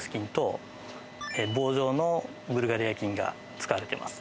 棒状のブルガリア菌が使われてます。